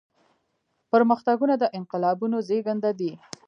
پرمختګونه د انقلابونو زيږنده دي.